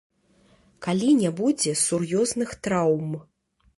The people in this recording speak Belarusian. Калі не будзе сур'ёзных траўм.